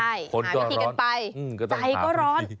ใช่หาวิธีกันไปใจก็ร้อน